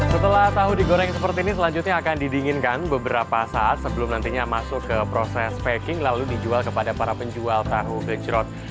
setelah tahu digoreng seperti ini selanjutnya akan didinginkan beberapa saat sebelum nantinya masuk ke proses packing lalu dijual kepada para penjual tahu gejrot